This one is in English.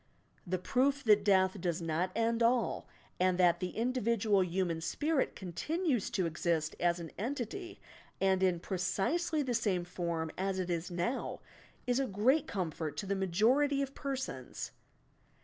The proof that death does not end all and that the individual human spirit continues to exist as an entity and in precisely the same form as it is now, is a great comfort to the majority of persons.